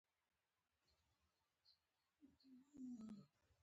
کتل د اړیکو پیاوړې وسیله ده